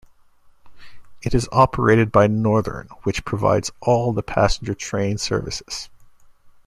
It is operated by Northern, which provides all the passenger train services.